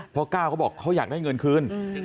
เพราะก้าวเขาบอกเขาอยากได้เงินคืน